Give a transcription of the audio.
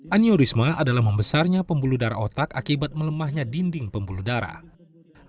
aneurisma adalah membesarnya pembuluh darah otak akibat melemahnya dinding pembuluh darah